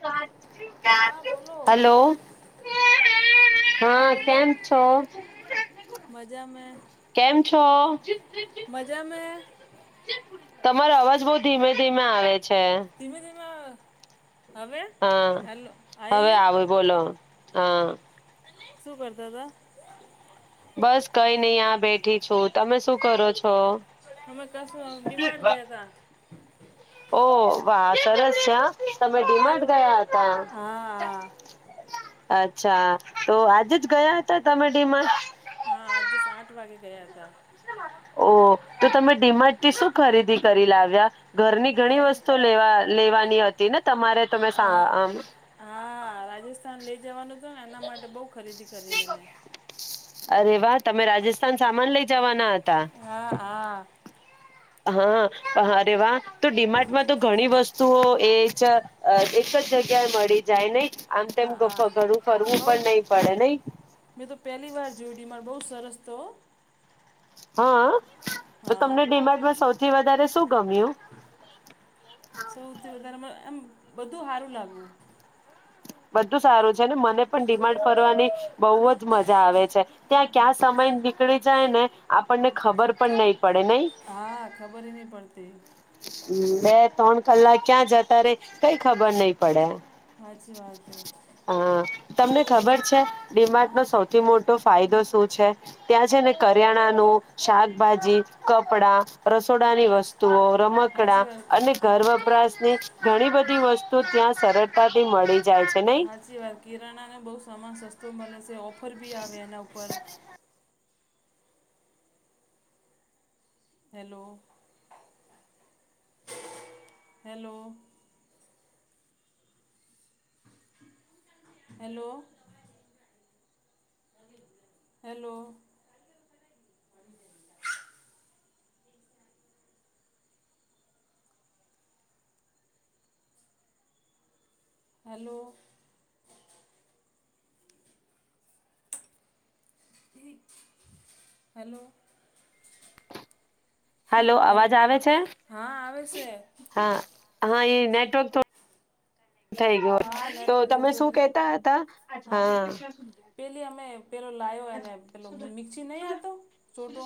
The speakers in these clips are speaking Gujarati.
હ હા બોલો હલો હા કેમ છો મજા મે કેમ છો મજા મે તમારો અવાજ બ ધીમે ધીમે આવે તીમે તમાં હા, આવી હવે ગયો આવે બોલો. હા. શું કરતા તા? બસ કઈ નહી આ બેઠી છું. તમે શું કરો છો? હમે કશો ડિમાન્ડ ગ હતા. ઓ વા સરસ છે હા. તમે આઠ ડીમાટ ગયા હતા? હા હા અચ્છા તો આજે જ ગયા હતા તમે ડી માં? હા આજે સાઠ વાગે ગયા હતા. ઓ તો તમે ડીમટ થી શું ખરીદી કરી લાવ્યા? ઘરની અમે ઘણી વસ્તુ લેવા લેવાની હ હતી ને તમારે તમે તા હા આમ હા રાજસ્થાન લઈ જવાનું એના માટે બહુ ખરીદી કરી મેને. અરે વા તમે રાજસ્થાન સામાન લઇ જવાના તા. હા હા હા અરે વા તો ડિમાર્ટમાં તો ઘણી વસ્તુઓ એ જ અ એક જ જગ્યાએ મળી જાય નહી? આમ તેમ હા ઘડું હા ફરવું બહુ પણ નહી પડે નહિં? મેં તો પહેલી વાર જોયું ડીમાર્ટ બહુ સરસ તો. હા તો હા તમને ડિમાગમાં સૌથી વધારે શું ગમ્યું સૌથી વધારેમાં એમ બધું હારું લાગુ. બધું સારું છેને મને પણ ડિમાન્ડ કરવાની બહુ જ મજા આવે છે. ત્યાં ક્યાં સમય નીકળી જાય ને આપણને ખબર પણ નઈ પડે નઈ? હા ખબર નહીં પડતી બે ત્રણ કલાક ક્યાં જતા રે કઈ ખબર નહી પડે. સાચી વાત છે હા તમને બધું ખબર છે ડીમાર્ટ હા નો સૌથી મોટો ફાયદો શું? છે ત્યાં છે ને કરિયાણા નું, શાકભાજી, કપડા રસોડાની હાચી વસ્તુઓ, રમકડા હાચી વાત અને કકી ઘર વપરાશની ઘણી બ બધી વસ્તુ ત્યાં સરળતાથી મળી જાય છે નહી હાચી વાત કિરણા ને બહુ સામાન સસ્તો મળે છે. એ ઓ. ઓફર ભી આવે એના ઉપર. Hello hello. Hello hello hello hello hello અવાજ આવે છે હા આવે છે હા હા એ નેટવર્ક તો થઈ ગયો હા તો નેટવર્ક તમે જતું શું રહ્યું કેતા હતા હા પેલી અમે પેલો લો લાઈવ અને પેલો મિક્સી નહીં આવતો ચોટો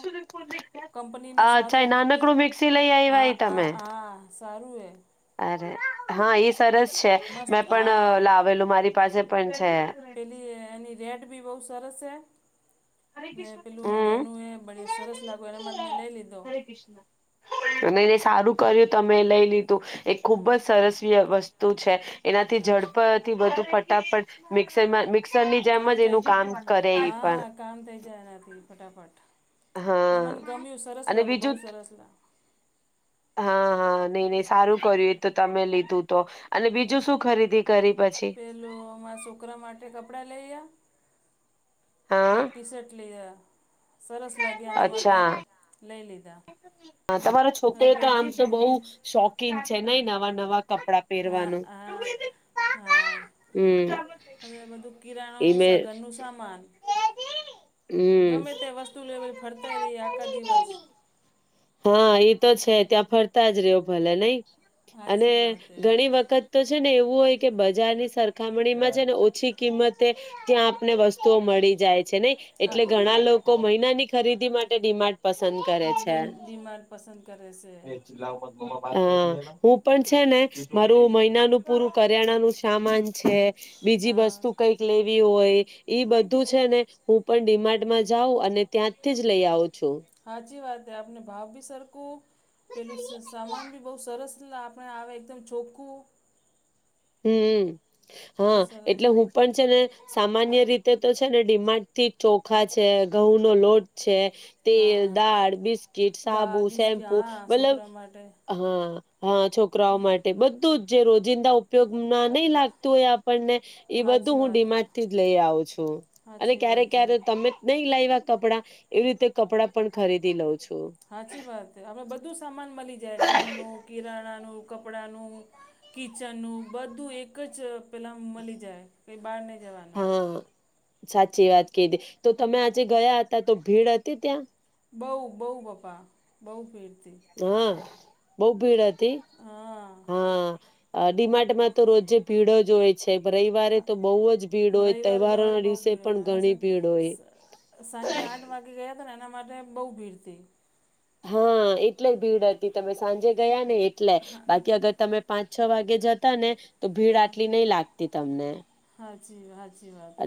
કંપની નુ અચ્છા એ સારું નાનકડું મિક્સી લઈ આવ્યા હા એ તમે હા હા સારુંવે હા એ સરસ છે મસ્ત મેં હા પણ લાવેલું મારી પાસે પંચ પેલી એની રેટ બી બહુ સરસ છે ને પેલું હમ નેનું એ બ સરસ લાગ્યું એનામાં મેં લઈ લીધો નહી નહી સારું કર્યું તમે લઈ લીધું એક ખુબ જ સરસ્વી વસ્તુ તું છે એનાથી ઝડપાથી બધું ફટાફટ મિક્સરમાં મિક્ મિકસર ની જેમ કામ જ એનું કામ કરે એ પણ જના પી ફટાફટ ને હા મને ગમ્યું સરસ અને લાગુ બીજું બહુ સરસ લાગે હા હા નહી નહી સારું કર્યું એ તો તમે લીધું તો અને બીજું શું ખરીદી કરી પછી પેલું મારા છોકરા એ હા ટી શર્ટ લીધા સરસ લાગે એના માટે અચ્છા લઈ લીધા હા તમારા છોકરા એ તો આમ બીધું તો બહુ બી શોખીન છે નહી નવા કપડા હા પહેરવાનું હા હા હમ એ કિરાણનું મેં સગનનું સમાન હમ ગમે તે વસ્તુ લેવાલ ફરતાઈ રહી આખા દિવસ હા એ તો છે ત્યાં ફરતા જ રહ્યો ભલે નઈ અને સાચી વાત હે ઘણી વખત તો છે ને એવું હોય કે બજારની સરખામણીમાં છે ને ઓછી કિંમતે ત્યાં આપને વસ્તુઓ મળી જાય છે ન હા એટલે હા ઘણા લોકો મહિનાની ખરીદી માટે ડિમાર્ટ પસંદ કરે છે ડિમાંર્ટ પસંદ કરે છે હમ હું પણ હા છે ને મારું મહિનાનું પૂરું કરિયાણા નું સામાન છે બીજી હા વસ્તુ કઈક લેવી હોય ઈ બધું છે ને હું પણ ડિમાર્ટમાં જાઉં અને ત્યાંથી જ લઈ આવું છું હાચી વાત આપને ભાવ ભી સરખું પેલું સામાન બી બહુ સરસ એ આપણે આવે એકદમ ચોખ્ખું હમ બહુ હા સરસ એટલે હું પણ છે ને સામાન્ય રીતે તો છે ને ડિમાડ થી ચોખા છે ઘઉં નો લોટ છે તેલ હા દાળ બિસ્કીિટ સાબુ દાળ બિસ્કી શેમ્પુ હા મતલબ છોકરા માટે હા હા છોકરાઓ માટે બધું તજે રોજિંદ ઉપયોગ નહીં લાગ તો એ આપ ને એ બધું હાચી હું વાત હે ડિમાર્ટ થી જ લઈ આવ છું અને હાચી ક્યારે વાત હે ક્યારે તમે નહી લાવ કપડા એવી રીતે કપડાં પણ ખરીદી લઉં છું સાચી વાત આપડે બધું સામાન મળી જાય ઘરનુ કિરણ કંપડા ન કિચન નું બધું એક જ પેલા મળી જાય બાર ને જવાનું હા સાચી વાત કીધી તો તમે આજે ગયા હતા તો ભીડ હતી ત્યાં બહું બહું પપ્પા બહુ ભીટ હમ બહુ ભીડ હતી હા તે હા ડીમાટમાં તો રોજે પીડો [inaudible] છે રવિવારે હા તો બહુ જ ભીડ હોય રવિવારે તો ઓર તહેવારોના બહુ દિવસે ભીડ પણ હતી અમે ઘણી ભીડ હોય સાંજે આઠ વાગે ગયા એના માટે બહુ ભીડતી હા એટલે ભીડ હતી તમે સાંજે ગયા ને એટલે બાકી અગર તમે પાંચ છ વાગે જતા ને તો ભીડ હા આટલી નહીં લાગ હતી તમને [inaudible]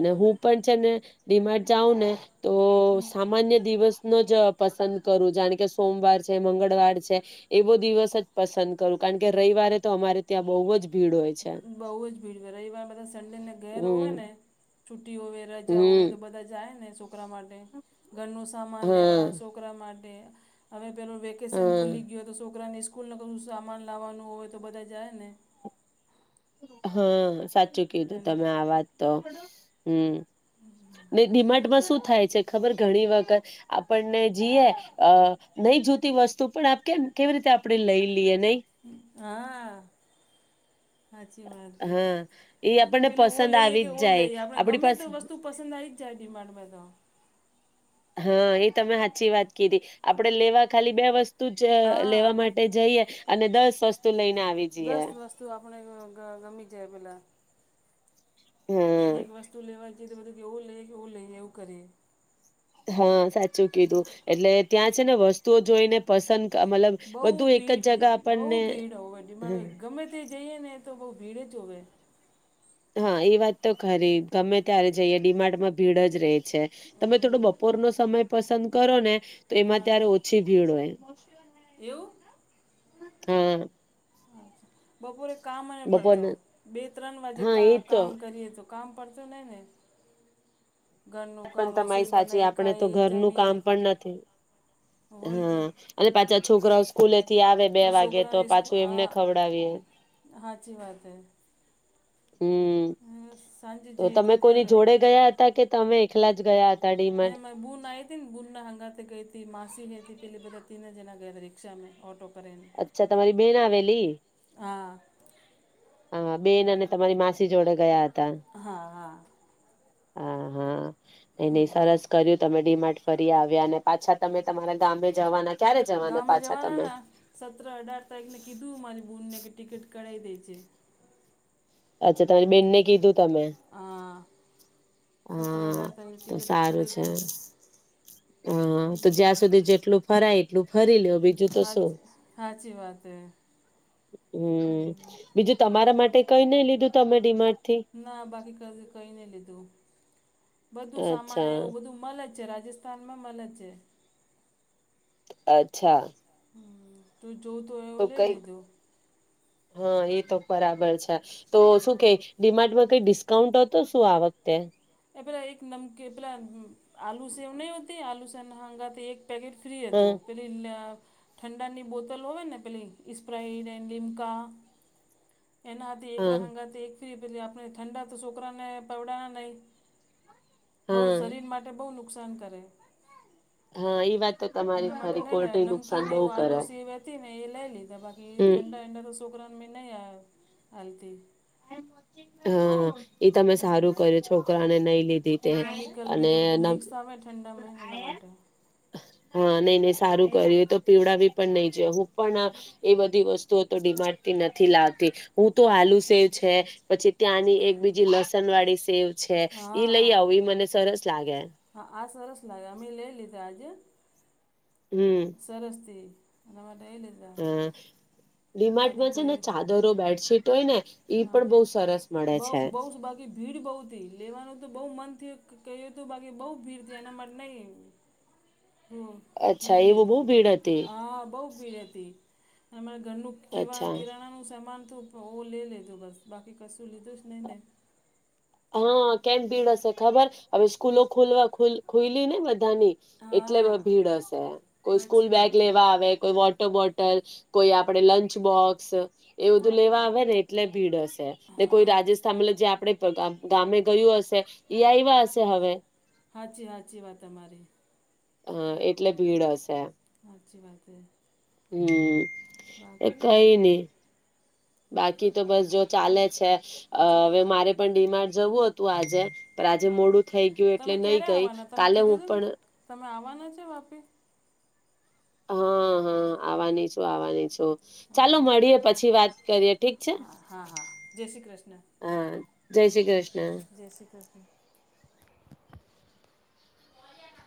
હે હું પણ છે ને ડીમાટ જાઉ ને તો હમ સામાન્ય દિવસ નો જ પસંદ કરું જાણ કે સોમવાર છે મંગળવાર છે એવો દિવસ જ પસંદ કરું કારણ કે રવિવારે તો અમારે ત્યાં બહુ જ ભીડ હોય છે બહુ જ ભીડ રવિવાર બધા સંડે ને ઘર હોય હમ ને છુટી હોય રજા હોય હમ તો બધા થાય ને છોકરા માટે ઘરનું સામાન લેવા હા છોકરામાં [inaudible] વેકેશન હા ખુલી ગયો હતો છોકરાને સ્કૂલને સામાન લાવવાનું હોય તો બધા જાય ને હા સાચ ચું કીધું એના તમે આ વાત તો હમ ને દિમાટમાં શું થાય છે ખબર ઘણી વખત આપણને જઈએ અ નહી જોતી વસ્તુ પણ આપ કેમ કેવી રીતે આપણે લઈ લ હા સાચી વાત હા એ આપણને પેલું ઓ પસંદ લઈએ આવી કે જ ઓ જાય લઈએ આપડે આપણી ગમે પાસે તો વસ્તુ પસંદ આવી જ જાય ડિમાન્ડમાં તો હા એ તમે હાચી વાત કીધી આપડે લેવા ખાલી બે વસ તું જ હા લેવા માટે જઈએ અને દસ વસ તુ લઈને આવી જઈએ ગ ગમી જાય પેલા હમ એક વસ્તુ લેવા બધું કેવું લઈ કેવું લઈ એવું કરી હા સા શું કીધું એટલે ત્યાં જ છેને વસ્તુઓ જોઈને પસંદ મતલબ બઉ બધું એક ભીડ જ જગા બઉ આપણને ભીડ હમ હોમા ગમે તે જઈએ ને તો બહુ ભીડજ હોવે હા એ વાત તો ખરી. ગમે ત્યારે જઈએ ડિમાર્ટ માં ભીડજ રે છે તમે થોડો બપોર નો સમય પસંદ કરો ને તો એમાં હા ત્યારે ઓછી ભીડ હોય. હા. હા બપોરે કામને પડતો બપોરના બે ત્રણ વાજે હા એ કા તો કામ કરીએ તો કામ પડતો નને પણ તમારી સાચી આપણે તો ખાઈએ ઘરનું જમીએ કામ પણ નથી હોય તો હા અને પાછા છોકરાઓ સ્કૂલેથી આવે બે નહીં વાગે તો છોકરાને સ્કૂલ પાછું એમને હા ખવડાવીએ. સાચી વાત હે હમ્મ સાંજે તો જઈએ તમે કોની જોડે હેડ ગયા હતા કે તમે એકલા જ ગયા હ ન ભૂલ ના હતી ને ભૂલ ના હંગાથે ગઈતી મા સિને હતી પેલી બધા તીને જણા ગયા રિક્ષા મે ઓટો કરીને અચ્છા તમારી બેન આવેલી હા હા બેન અને તમારી માસી જોડે ગયા હા હા. આ હા. એ ની સરસ કર્યું તમે ડીમાર્ટ ફરી આવ્યા. અને પાછા તમે તમારા ગામે જવાના ક્યારે જવાના ગામમાં પાછા જવાના તમે ના સત્ર અઢાર તારીખ ને કીધું મારી બૂનને કે ટિકિટ ક્ઢાઇ દે જે. અચ્છા તમારી બેનને કીધું તમે હા સત્તર હા અઢાર તારીખ તો ટિકિટ સારું કરાવી છે. દે હા તો જ્યાં સુધી જેટલું ફરાય લું ફરીલો બીજું તો શું હાચી સાચી વાત હે હમ્મ બીજું તમારા માટે લીધું તમે ડીમાર્ટ થી ના બાકી ક કઈ નઈ લીધું. બધું સામાન અચ્છા એવું બધું મલેજ છે. રાજ જસ્થાનમાં મલેજ છે. અચ્છા. [inaudible] જો તો એવો લઈ લીધું. હા એ તો બરાબર છે તો શું કે ડિમાર્ડમાં કઈ ડિસ્કાઉન્ટ હતો શું આ વખતે. એ પેલા એક નમકી પેલા આલુ સેવ નહી હોતી આલુ સેવ હંગા એક પેકેટ ફ્રી હા હતું પેલી [unintelligible] ઠંડાની બોતલ હોય ને પેલી સ્પ્રઇડ એ લિમકા એનાથી હા એકરહંગથી એક ફરી બધી આપણે ઠંડા તો છોકરા ને પવડાના નહી. બહું હા શરીર માટે બહું નુ નુકસાન કરે. હા એ વાત તો તમારી એના માટે ખરી કોલ્ડ્રી નુકસાન બહુ કરે. મે એ લઈ લી તો બાકી ઠંડા હમ ઠંડા તો છોકરા [unintelligible] નહી આ હલતી હા. એ તમે સારું કર્યું છોકરાને નહી લીધી તે કેમિકલ અને બીજું બધું ન મિક્સ આવે ઠંડામાં એના માટે [unintelligible] સારું કર્યું તો પીવડાવી પણ નહી જો હું પણ એ બધી વસ્તુઓ તો ડિ માર્ડથી નથી લાવતી હું તો આલુ સેવ છે પછી ત્યાંની એક બીજી લસણ વાળી સેવ છે ઈ લઈ હા આવું એ મને સરસ લાગે. હા આ સરસ લાગે અમે લઈ લીધા આજે. હમ સરસ તી. [unintelligible] હા. ડી માર્ટ બાકી માં છે ને કોઈ ચાદરો બેડશીટ હોય ને એ હા પણ બહુ સરસ મળે બહુ છે. બહુ જ, બાકી ભીડ બહુ હતી લેવાનું તો બહુ મન થયું કે ક્યું હતું બાકી બઉ ભીડ થી એના માટે નહી લિ હ અચ્છા નઈ લેજ એવું બહુ ભીડ હતી હા બઉ ભીડ હતી. એમ ઘરનું કીવા અચ્છા કિરાણાનું સમાન તો ભો ઓ લે લેજો બસ બાકી કશું લીધું જ નહી ને. હા કેમ ભીડ હશે ખબર હવે સ્કૂલના ખુલવા ખુ ખુલ્લી ને વા ત્યાં ની એટલે હા ભીડ હશે કોઈ સ્કૂલ સાચી બેગ વાત હે લેવા આવે કોઈ વોટર બોટ હોટલ કોઈ આપડે લંચ બોક્સ એ બધું હા લેવા આવે ને એટલે ભીડ હશે ને કોઈ હા રાજસ્થાનલે જે આપણે પ્રોગ્રામ ગામે ગયું હશે ઈ આયવા હશે હવે હાચી હાચી વાત તમારી હા એટલે ભીડ હશે. સાચી વાત કહી. હમમ એ કઈ ની બાકી તો બસ જો ચાલે છે અ જા હવે મારે પણ ડી માર્ટ જવું હતું આજે પણ આજે હા મોડું થઈ ગયું એટલે તમે નય ક્યારે ગઈ આવવાના તમે કાલે કીધું હું હતું પણ ને તમે આવવાના છે વાપી? હા હા આવવાની છું આવવાની છું. ચાલો સારું. મળીએે પછી વાત કરીએ ઠીક છે હા હા હા જય શ્રી કૃષ્ણ હા જય શ્રી કૃષ્ણ. જય શ્રી કૃષ્ણ